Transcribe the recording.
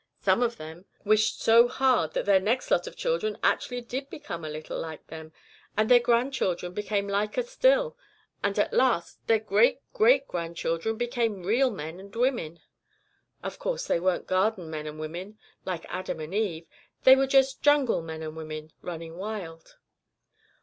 Some of them wished so hard that their next lot of children actually did become a little like them, and their grandchildren became liker still, and at last their great great grandchildren became real men and women. Of course they weren't Garden men and women, like Adam and Eve; they were just jungle men and women, running wild.